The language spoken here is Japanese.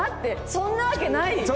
そんなわけないよ。